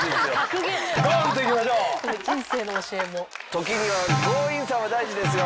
時には強引さも大事ですよ！